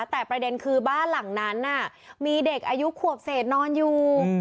แต่ประเด็นคือบ้านหลังนั้นมีเด็กอายุขวบเศษนอนอยู่